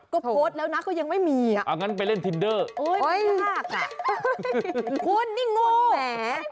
เค้าโพสต์แล้วนะก็ยังไม่มีอ่ะโอ้ยคุณนี่งูได้คลุ้นน่ะ